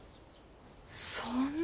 そんな。